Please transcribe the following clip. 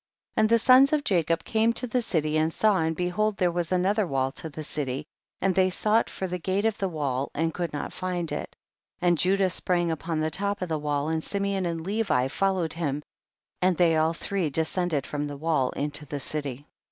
8 14. And the sons of Jacob came to the city and saw, and beiiold there was another wall to the city, and they sought for the gate of the wall and could not find it, and Judah sprang upon the top of the wall, and Simeon and Levi followed ium and they all three descended from the wall into the city.